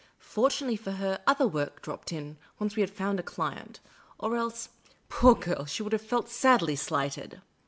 Fortunately for her, other work dropped in, once we had found a client, or else, poor girl, she would have felt sadly slighted.